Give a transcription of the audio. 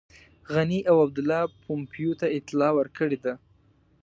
غني او عبدالله پومپیو ته اطلاع ورکړې ده.